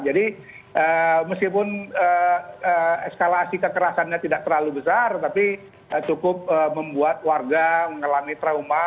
jadi meskipun eskalasi kekerasannya tidak terlalu besar tapi cukup membuat warga mengalami trauma